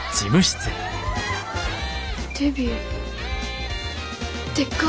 デビューでっか？